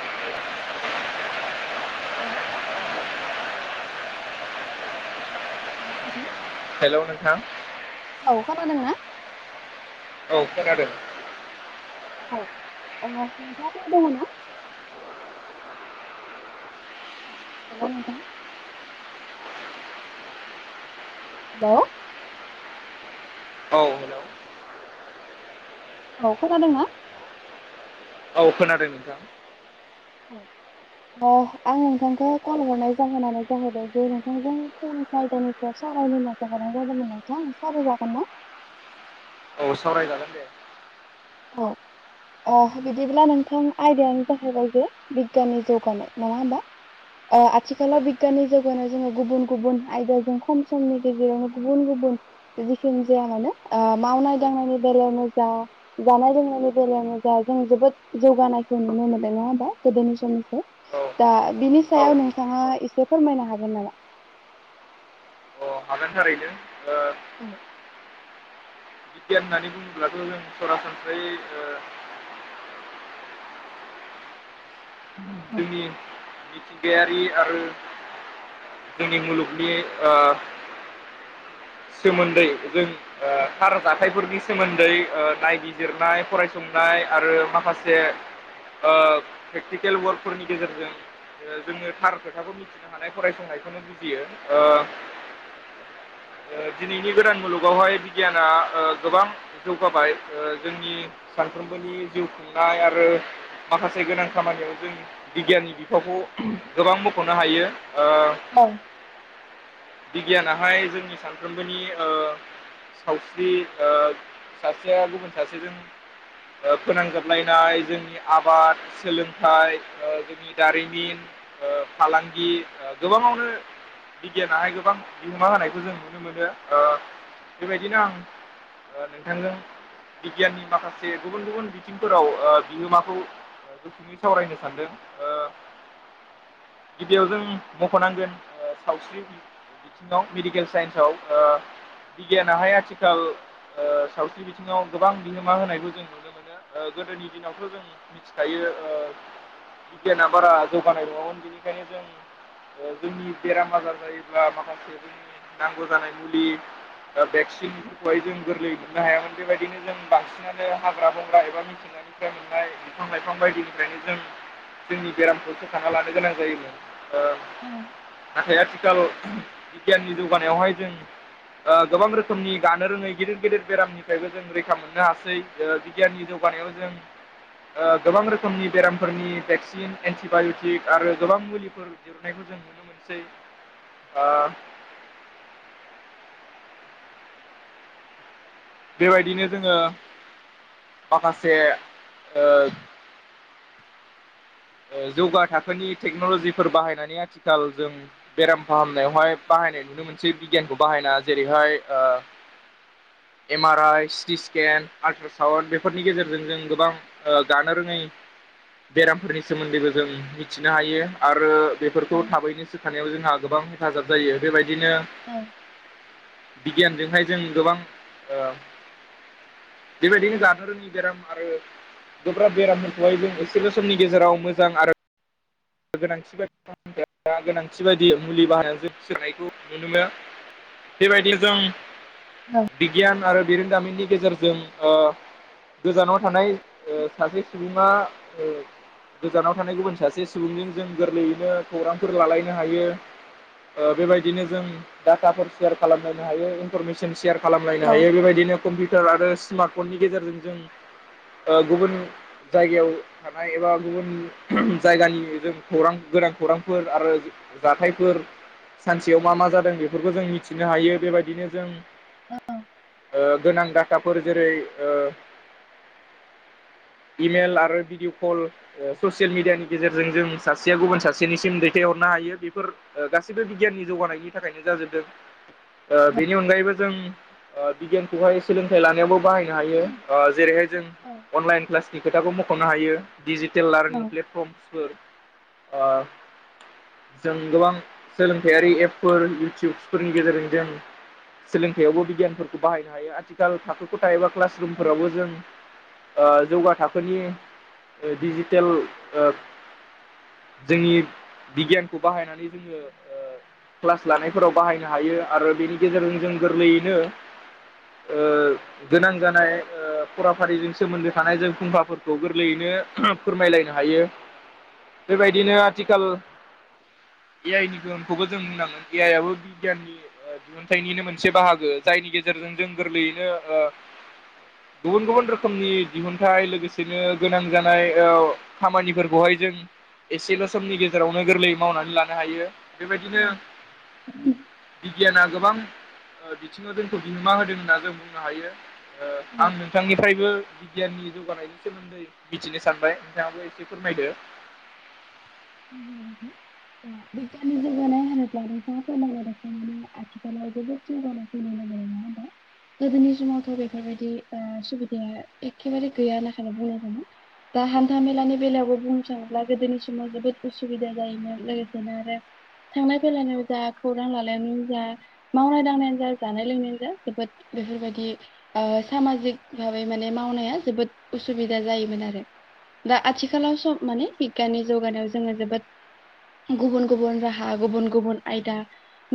[inaudible] Hello नोंथां hello नोंथां। औ खोनादों ना? औ खोनादों। औ ओ नोंथाङा फ्रि दङ' ना? हेलौ नोंथां। हेल' औ हेल' औ खोनादोंना? औ खोनादों नोंथां। औ। अ आं नोंथांखौ कल हरनाय जाहोनानो जाहैबाय जे नोंथांजों फंनैसो आयदानि सायाव सावरायनो होननानै सो हरनाय जादोंमोन नोंथां सावरायजागोन ना? औ सावरायजागोन दे। अ अ बिदिब्ला नोंथां आयदायानो जाहैबाय जे बिगियाननि जौगानाय नङा होमबा। ओ औ आथिखालाव बिगियाननि जौगानायाव जोङो गुबुन गुबुन आयदाजों खम समनि गेजेरावनो गुबुन गुबुन जिखिनि जाया मानोे ओ मावनाय-दांनायनि बेलायावनो जा जानाय-लोंनायनि बेलायावनो जा जों जोबोद जौगानायखौ नुनो मोन्दों नङा होमबा गोदोनि समनिफ्राय। औ दा बिनि औ सायाव नोंथाङा एसे फोरमायनो हागोन नामा अ हागोन थारैनो ओ औ बिगियान होननानै बुङोब्लाथ' जों सरासनस्रायै औ जोंनि मिथिंगायारि आरो जोंनि मुलुगनि [inaudible] सोमोन्दै जों थार जाथायफोरनि सोमोन्दै नायबिजिरनाय फरायसंनाय आरो माखासे प्रेक्टिकेल वार्कफोरनि गेजेरजों जोङो थार खोथाखौ मिथिनो हानाय फरायसंनायखौनो बुजियो [inaudible] दिनैनि गोदान मुलुगावहाय बिगियाना गोबां जौगाबाय जोंनि सानफ्रोमबोनि जिउ खुंनाय आरो माखासे गोनां खामानियाव जों बिगियाननि बिफावखौ गोबां मख'नो हायो औ बिगियानाहाय जोंनि सानफ्रोमबोनि सावस्रि सासेया गुबुन सासेजों फोनांजाबलायनाय जोंनि आबाद सोलों नाथाय ओ जोंनि दारिमिन ओ फालांगि गोबाङावनो बिगियानाहाय गोबां बिहोमा होनायखौ जों नुनो मोनो ओ बेबायदिनो आं ओ नोंथांजों बिगियाननि माखासे गुबुन गुबुन बिथिंफोराव ओ बिहोमाखौ गोख्रोङै [inaudible] सावरायनो सानदों ओ गिबियाव जों मख'नांगोन सावस्रि बिथिङाव मेडिकेल साइन्सआव ओ बिगियानाहाय आथिखाल ओ सावस्रि बिथिङाव गोबां बिहोमा होनायखौ जों नुनो मोनो मोनो गोदोनि दिनावथ' जों मिथिखायो बिगियाना बारा जौगानाय नङामोन बेनिखायनो जों ओ जोंनि बेराम आजार जायोब्ला माखासे जोंनि नांगौ जानाय मुलि दा भेक्सिन खौहाय जों गोरलै मोननो हायामोन बेबायदिनो जों बांसिनानो हाग्रा बंग्रा एबा मिथिं बिफ्राय [unintelligible] मोननाय बिफां लाइफां बायदि बेनो जों जोंनि बेरामखौ सोखाना लानो गोनां जायोमोन ओ औ नाथाय आथिखाल बिगियाननि जौगानायावहाय जों ओ गोबां रोखोमनि गानो रोङै गिदिर गिदिर बेरामनिफ्रायबो जों रैखा मोननो हासै ओ बिगियाननि जौगानायाव जों ओ गोबां रो रोखोमनि बेरामफोरनि भेक्सिन एन्टिबाइ'टिक आरो गोबां मुलिफोर दिहुननायखौ जों नुनो मोनसै ओ बेबायदिनो जोङो माखासे ओ जौगा थाखोनि टेक्न'ल'जिफोर बाहायनानै आथिखाल जों बेराम फाहामनायावहाय बाहायनाय नुनो मोनसै बिगियानखौ बाहायना जेरैहाय ओ M R I CT scan ultrasound बेफोरनि गेजेरजों जों गोबां ओ गानो रोङै बेराम फोरनि सोमोन्दैबो जों मिथिनो हायो आरो बेफोरखौ थाबैनो सोखानायाव जोंहा गोबां हेफाजाब जायो बेबायदिनो औ बिगियानजोंहाय जों गोबां ओ बेबायदिनो गानो रोङि बेराम आरो गोब्राब बेरामफोरखौहाय जों एसेल' समनि गेजेराव मोजां आरो गोनांथि बायदि फामह बोनायखौ [unintelligible] गोनांथि बायदि मुलि बाहायनाय बिजिरनायखौ नुनो मोनो बेबायदिनो जों बिगियान आरो बिरोंदामिननि गेजेरजों ओ गोजानाव थानाय ओ सासे सुबुङा गोजानाव थानाय गुबुन सासे सुबुंजों जों गोरलैयैनो खौरांफोर लालायनो हायो। ओ बेबायदिनो जों डाटाफोर सेयार खालामलायनो हायो इनफरमेसन सेयार औ खालामलायनो हायो बेबायदिनो कम्पिउटार आरो स्मार्टफननि गेजेरजों जों ओ गुबुन जायगायाव थानाय एबा गुबुन जायगानि बेजों खौरां गोनां खौरांफोर आरो जाथायफोर सानसेयाव मा मा जादों बेफोरखौ जों मिथिनो हायो बेबायदिनो जों ओ गोनां डाटाफोर जेरै ओ इमेल आरो भिडिअ कल ओ ससियेल मिडियानि गेजेर जों जों सासेया गुबुन सासेनिसिम दैथायहरनो हायो बेफोर गासिबो बिगियाननि जौगानायनि थाखायनो जाजोबदों बेनि अनगायैबो जों ओ बिगियानखौहाय सोलोंथाइ लानायावबो बाहायनो हायो ओ जेरैहाय जों औ अनलाइन क्लासनि खोथाखौ मख'नो हायो डिजिटेल लार्निं औ प्लेटफर्म फोर ओ। जों गोबां सोलोंथारि एपफोर इउटुबसफोरनि गेजेरजों जों सोलोंथाइयावबो बिगियानफोरखौ बाहायनो हायो आथिखाल थाखो खथाय एबा क्लास रुमफोरावबो जों ओ जौगा थाखोनि डिजिटेल ओ जोंनि बिगियानखौ बाहायनानै जोङो क्लास लानायफोराव बाहायनो हायो आरो बेनि गेजेरजों जों गोरलैयैनो ओ। गोनां जानाय फराफारिजों सोमोन्दो थानाय जों फुंखाफोरखौ गोरलैयैनो फोरमायलायनो हायो। बेबायदिनो आथिखाल ए आइ नि गोहोमखौबो जों होननांगोन ए आइ आबो बिगियाननि दिहुनथाइनिनो मोनसे बाहागो जायनि गेजेरजों जों गोरलैयैनो ओ गुबुन गुबुन रोखोमनि दिहुनथाइ लोगोसेनो गोनां जानाय और। खामानिफोरखौहाय जों एसेल' समनि गेजेरावनो गोरलै मावनानै लानो हायो बेबायदिनो औ औ बिगियाना गोबां बिथिङाव जोंखौ बिहोमा होदों होनना जों बुंनो हायो। आं नंगौ नोंथांनिफ्रायबो गियाननि जौगानायनि सोमोन्दै मिथिनो सानबाय नोंथाङाबो एसे फोरमायदो। [unintelligible] बेनि [unintelligible] नोंथाङा फोरमायनाय बादिनो आथिखालावबो जौगानायखौ नुनो मोनो। गोदोनि समावथ' बेफोरबायदि सुबिदाया एखेबारे गैया होनना बुंनांगौमोन। दा हान्था मेलानि बेलायावबो बुंनो थाङोब्ला गोदोनि समाव जोबोद उसुबिदा जायोमोन लोगोसेनो आरो थांलाय फैलायनि जा खौरां लालायनाय जा मावनाय दांनायानो जा जानाय लोंनायानो जा जोबोद बेफोरबायदि सामाजिक भाबै माने मावनाया जोबोद उसुबिदा जायोमोन आरो दा आथिखालाव स माने बिगियाननि जौगानायाव जोङो जोबोद गुबुन गुबुन राहा गुबुन गुबुन आयदा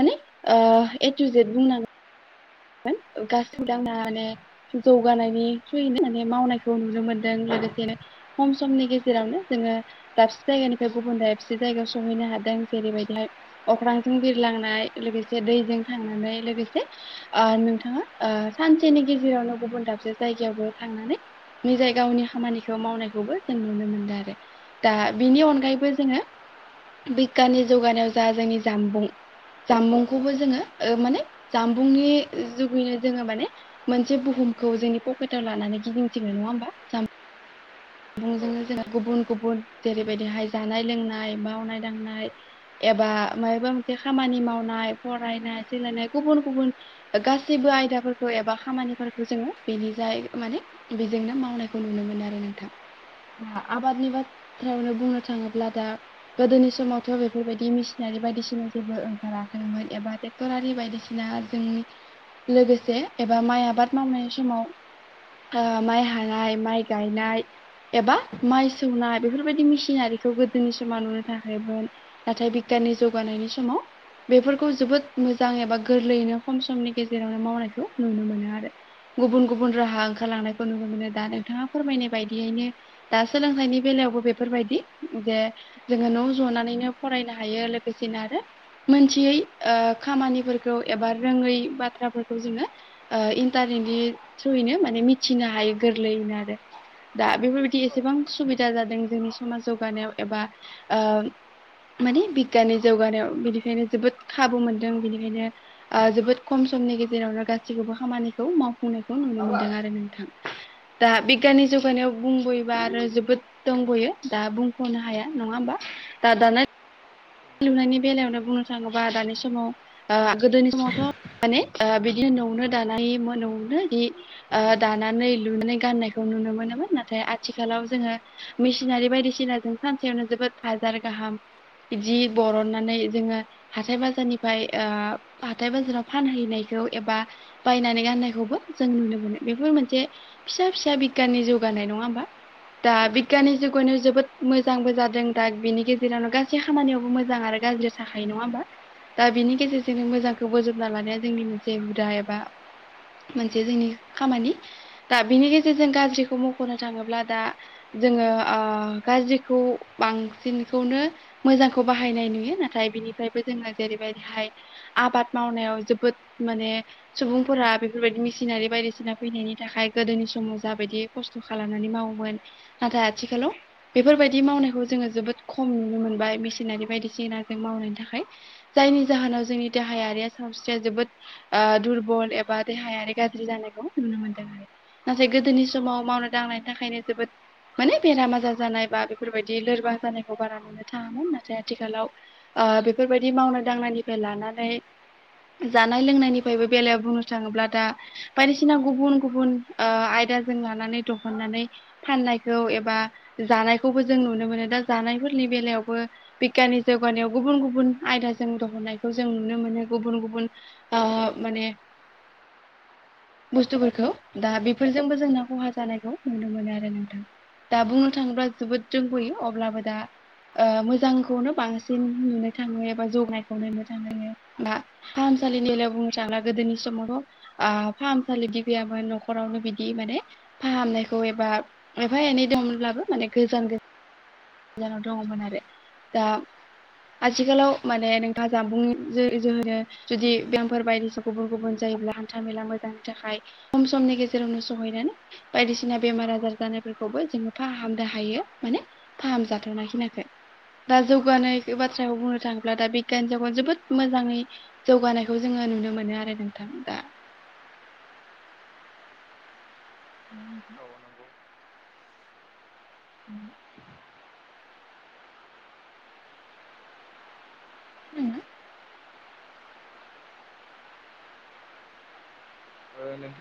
माने ए थु जेद बुंनानै [unintelligible] माने जौगानायनि थ्रुयैनो माने मावनायखौ नुनो मोनदों लोगोसेनो खम समनि गेजेरावनो जोङो दाबसे जायगानिफ्राय गुबुन दाबसे जायगायाव सोंहैनो हादों जेरैबायदिहाय अख्रांजों बिरलांनाय लोगोसे दैजों खांनानै लोगोसे नोंथाङा सानसेनि गेजेरावनो गुबुन दाबसे जायगायावबो थांनानै निजाय गावनि खामानिखौ मावनायखौबो जों नुनो मोनदों आरो। दा बिनि अनगायैबो जोङो बिगियाननि जौगानायाव जा जोंनि जामबुं जामबुंखौबो जोङो माने जामबुंनि जुगैनो जोङो माने मोनसे बुहुमखौ जोंनि पकेटाव लानानै गिदिंथिङ नङा होमबा ज औ सुबुंजोंनो जोंहा नंगौ। गुबुन गुबुन जेरैबायदिहाय जानाय लोंनाय मावनाय दांनाय एबा माबा मोनसे खामानि मावनाय फरायनाय सोलायनाय गुबुन गुबुन गासैबो आयदाफोरखौ एबा खामानिफोरखौ जोङो बेनि जाय माने बेजोंनो मावनायखौ नुनो मोन आरो नोंथां आबादनि बाथ्रायावनो बुंनो थाङोब्ला दा गोदोनि समावथ' बेफोरबायदि मिसिनारि बायदिसिना जेबो ओंखाराखैमोन एबा [unintelligible] बायदिसिना जों लोगोसे एबा माइ आबाद मावनाय समाव माइ हानाय माइ गायनाय एबा माइ सौनाय बेफोरबायदि मेसिनारिखौ गोदोनि समाव नुनो थाखायमोन नाथाय बिगियाननि जौगानायनि समाव बेफोरखौ जोबोद मोजां एबा गोरलैयैनो खम समनि गेजेरावनो मावनायखौ नुनो मोनो आरो गुबुन गुबुन राहा ओंखारलांनायखौ नुनो मोनो दा नोंथाङा फोरमायनाय बायदि बिदियैनो दा सोलोंथाइनि बेलायावबो बेफोरबायदि जे जोङो न' जनानैनो फरायनो हायो लोगोसेनो आरो मोनथियै ओ खामानिफोरखौ एबा रोङै बाथ्राफोरखौ जोङो इन्टारनेटनि थ्रुयैनो माने मिथिनो हायो गोरलैयैनो आरो दा बेफोरबायदि औ एसेबां सुबिदा जादों जोंनि समाज जौगानायाव एबा माने बिगियाननि जौगानायाव बिनिखायनो जोबोद खाबु मोनदों बिनिखायनो जोबोद खम समनि गेजेरावनो गासैखौबो खामानिखौ मावफुंनायखौ नुनो मोनदों आरो नोंथां दा बिगियाननि जुग याव बुंबोयोबा आरो जोबोद दंबोयो दा बुंख'नो हाया नङा होमबा दा दानि नंगौ लुनायनि बेलायावनो बुंनो थाङोबा दानि समाव गोदोनि समावथ' माने बिदिनो न'आवनो दानाय न'आवनो जि ओ दानानै लुनानै गाननायखौ नुनो मोनोमोन नाथाय आथिखालाव जोङो मेसिनारि बायदिसिनाजों सानसेयावनो जोबोद हाजार गाहाम जि बरननानै जोङो हाथाय बाजारनिफ्राय हाथाय बाजाराव फानहैनायखौ एबा बायनानै गाननायखौबो जों नुनो मोनो बेफोर मोनसे फिसा फिसा बिगियाननि जौगानाय नङा होमबा दा बिगियाननि जुगावनो जोबोद मोजांबो जादों दा बिनि गेजेरावनो गासैबो गासै खामानियावबो मोजां आरो गाज्रि थाखायायो नङा होमबा दा बिनि गेजेरजोंनो मोजांखौ बोजबना लानाया जोंनि मोनसे हुदा एबा मोनसे जोंनि खामानि दा बिनि गेजेरजों गाज्रिखौ मख'नो थाङोब्ला दा जोङो आ गाज्रिखौ बांसिनखौनो मोजांखौ बाहायनाय नुयो नाथाय बिनिफ्रायबो जोङो जेरैबायदिहाय आबाद मावनायाव जोबोद माने सुबुंफोरा बेफोरबायदि मेसिनारि बायदिसिना फैनायनि थाखाय गोदोनि समाव जाबायदि खस्थ' खालामनानै मावोमोन नाथाय आथिखालाव बेफोरबायदि मावनायखौ जोङो जोबोद खम नुनो मोनबाय मेसिनारि बायदिसिना जों मावनायनि थाखाय जायनि जाहोनाव जोंनि देहायारिया सावस्रिया जोबोद दुरबल एबा देहायारि गाज्रि जानायखौ नुनो मोनदों आरो नाथाय गोदोनि समाव मावनो दांनायनि थाखायनो जोबोद माने बेराम आजार जानाय बा बेफोरबायदि लोरबां जानायखौ बारा नुनो थाङा नाथाय आथिखालाव बेफोरबायदि मावनाय दांनायनिफ्राय लानानै जानाय लोंनायनिफ्रायबो बेलायाव बुंनो थाङोब्ला दा बायदिसिना गुबुन गुबुन आयदाजों लानानै दिहुननानै फाननायखौ एबा जानायखौबो जों नुनो मोनो दा जानायफोरनि बेलायावबो बिगियाननि जौगानायाव गुबुन गुबुन आयदाजों दिहनायखौ जों नुनो मोनो गुबुन गुबुन आ माने बुस्थुफोरखौ दा बेफोरजोंबो जोंना खहा जानायखौ नुनो मोनो आरो नोंथां दा बुंनो थाङोब्ला जोबोद रोंबोयो अब्लाबो दा मो मोजांखौनो बांसिन नुनो थाङो एबा जौनायखौ नुनो थाङो बा फाहामसालिनि बेलायाव बुंनो थांब्ला गोदोनि समावथ आ फाहामसालिबो गैयामोन न'खरावनो बिदि माने फाहामनायखौ एबा एफा एनै दंब्लाबो माने गोजान गोजानाव दङमोन आरो दा आथिखालाव माने नोंथाङा जानबुंनि जोहै जुदि बेयामफोर बायदिसि गुबुन गुबुन जायोब्ला हान्था मेला मोजांनि थाखाय खम समनि गेजेरावनो सहैगोन बायदिसिना बेमार आजार जानायफोरखौबो जोङो फाहामनो हायो माने फाहाम जाथावना खिनाखौ दा जौगानाय बाथ्राखौ बुंनो थाङोब्ला दा बिगियाननि जागायाव जोबोद मोजाङै जौगानायखौ जोङो नुनो मोनो आरो नोंथां दा औ [inaudible] नंगौ [inaudible] [inaudible] खोनादों ना ओ नोंथां